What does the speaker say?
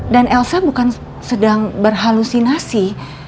dan elsa bukan sedang berhalusinasi